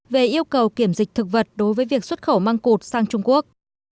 về yêu cầu kiểm dịch thực vật đối với việc xuất khẩu măng cột sang trung quốc